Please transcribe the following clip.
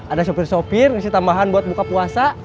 ada sopir sopir ngasih tambahan buat buka puasa